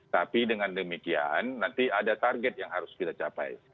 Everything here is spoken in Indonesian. tapi dengan demikian nanti ada target yang harus kita capai